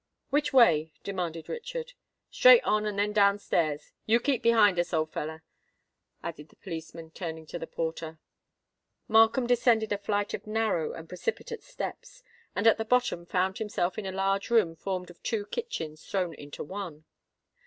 "Which way?" demanded Richard. "Straight on—and then down stairs. You keep behind us, old feller," added the policeman, turning to the porter. Markham descended a flight of narrow and precipitate steps, and at the bottom found himself in a large room formed of two kitchens thrown into one.